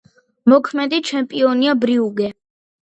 მოქმედი ჩემპიონია „ბრიუგე“.